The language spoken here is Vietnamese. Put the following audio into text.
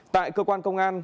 tại cơ quan công an